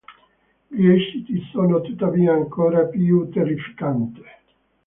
Gli esiti sono tuttavia ancora più terrificanti.